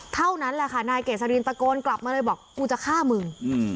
เท่านั้นแหละค่ะนายเกษรินตะโกนกลับมาเลยบอกกูจะฆ่ามึง